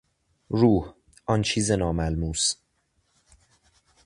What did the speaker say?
روح، آن چیز ناملموس